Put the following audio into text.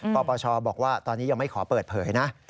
ปปชบอกว่าตอนนี้ยังไม่ขอเปิดเผยนะ